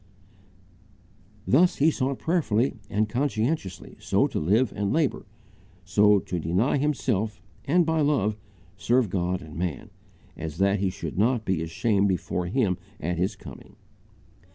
Thus he sought prayerfully and conscientiously so to live and labour, so to deny himself, and, by love, serve God and man, as that he should not be ashamed before Him at His coming.